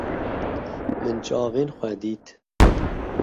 Min çavên xwe dît.